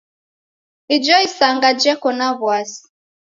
Ijo isanga jeko na w'asi.